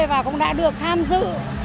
và cũng đã được tham dự